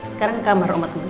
sekarang ke kamar mama tungguin